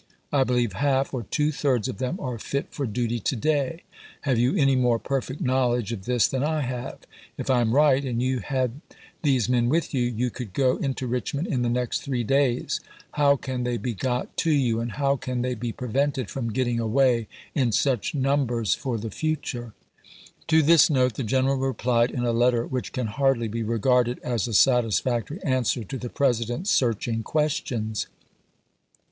I believe half or two thirds of them are fit for duty to day. Have you any more perfect knowledge of this than I have ? If I am right, and you July 13, had these men with you, you could go into Richmond in ^^^11 the next three days. How can they be got to you, and Part m" ^^^^^^^ *^®y ^® prevented from getting away in such p. 319. numbers for the future ? To this note the general replied in a letter which can hardly be regarded as a satisfactory answer to the President's searching questions.